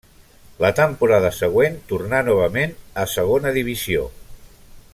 La temporada següent tornà novament a segona divisió.